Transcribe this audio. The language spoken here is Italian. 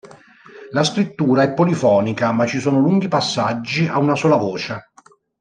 La scrittura è polifonica, ma ci sono lunghi passaggi a una sola voce.